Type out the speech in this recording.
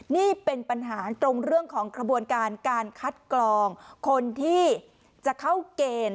นี่เป็นปัญหาตรงเรื่องของกระบวนการการคัดกรองคนที่จะเข้าเกณฑ์